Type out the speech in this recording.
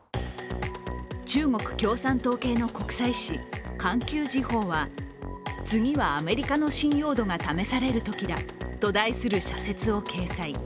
中国共産党系の国際紙「環球時報」は次はアメリカの信用度が試されるときだと題する社説を掲載。